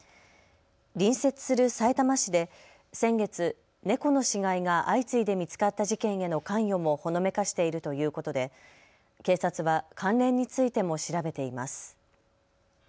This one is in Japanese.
隣接するさいたま市で先月、猫の死骸が相次いで見つかった事件への関与もほのめかしているということで警察は関連についても調べています。